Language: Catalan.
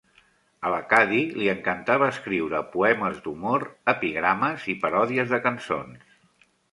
A la Cady li encantava escriure poemes d'humor, epigrames i paròdies de cançons.